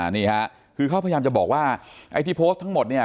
นี่ค่ะคือเขาพยายามจะบอกว่าไอ้ที่โพสต์ทั้งหมดเนี่ย